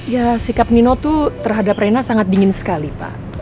ya sikap nino tuh terhadap rena sangat dingin sekali pak